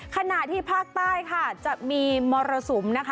ขณะที่ภาคใต้ค่ะจะมีมรสุมนะคะ